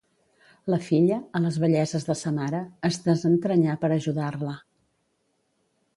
La filla, a les velleses de sa mare, es desentranyà per ajudar-la.